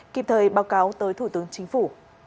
kịp thời báo cáo tới thủ tướng chính phủ